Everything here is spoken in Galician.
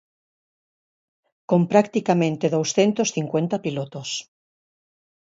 Con practicamente douscentos cincuenta pilotos.